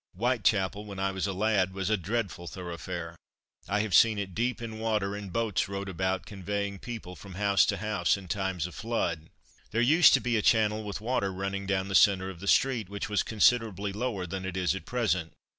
Whitechapel, when I was a lad, was a dreadful thoroughfare. I have seen it deep in water, and boats rowed about, conveying people from house to house, in times of flood. There used to be a channel with water running down the centre of the street, which was considerably lower than it is at present.